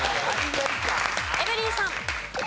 エブリンさん。